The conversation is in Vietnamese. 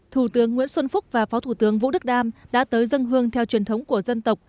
thủ tướng nguyễn xuân phúc và phó thủ tướng vũ đức đam đã tới dân hương theo truyền thống của dân tộc